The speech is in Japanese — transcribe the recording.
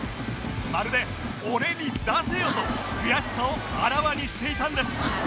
まるで「俺に出せよ」と悔しさをあらわにしていたんです